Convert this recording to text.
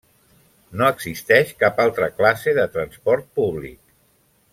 No existeix cap altra classe de transport públic.